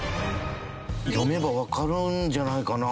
読めばわかるんじゃないかな？